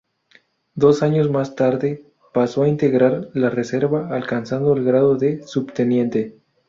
Dos años más tarde pasó a integrar la reserva, alcanzando el grado de subteniente.